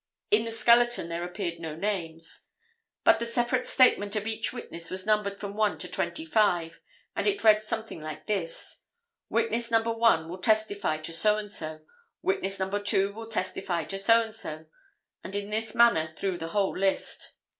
In the skeleton there appeared no names. But the separate statement of each witness was numbered, from 1 to 25, and it read something like this: Witness No. 1 will testify to so and so; Witness No. 2 will testify to so and so; and in this manner through the whole list.